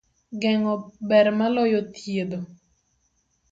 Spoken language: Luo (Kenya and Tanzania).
Geng'o ber maloyo thiedho.